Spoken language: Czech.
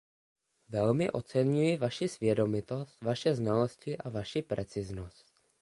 Velmi oceňuji vaši svědomitost, vaše znalosti a vaši preciznost.